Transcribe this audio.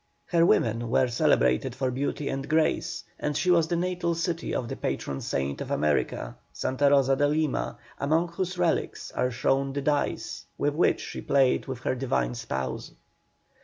Her women were celebrated for beauty and grace, and she was the natal city of the patron saint of America, Santa Rosa de Lima, among whose relics are shown the dice with which she played with her Divine spouse.